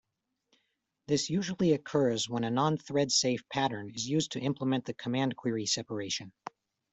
This usually occurs when a non-thread-safe pattern is used to implement the command-query separation.